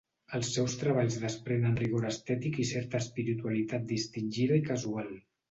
Els seus treballs desprenen rigor estètic i certa espiritualitat distingida i casual.